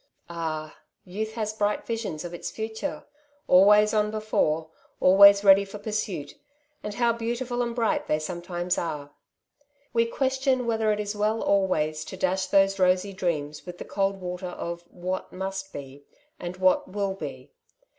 Ah ! youth has bright visions of its future, always on before, always ready for pursuit ; and how beautiful and bright they some times are ! We question whether it is well always to dash those rosy dreams with the cold water of ''what must be'' and "what will be."